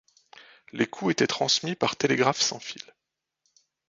Les coups étaient transmis par télégraphe sans fil.